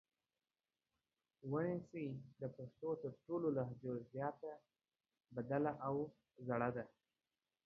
وڼېڅي د پښتو تر ټولو لهجو زیاته بدله او زړه ده